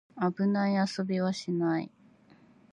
危ない遊びはしない